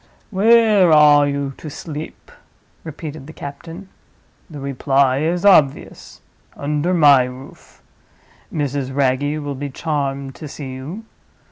"Where are you to sleep?" repeated the captain. "The reply is obvious—under my roof. Mrs. Wragge will be charmed to see you.